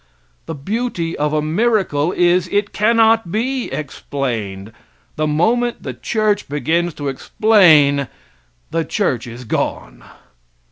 The beauty of a miracle is it cannot be explained. The moment the church begins to explain the church is gone.